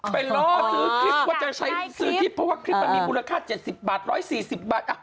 รอซื้อคลิปว่าจะใช้ซื้อคลิปเพราะว่าคลิปมันมีมูลค่า๗๐บาท๑๔๐บาท